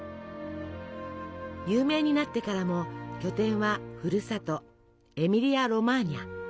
有名になってからも拠点はふるさとエミリア・ロマーニャ。